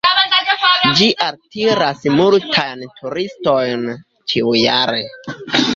Ĝi altiras multajn turistojn ĉiujare.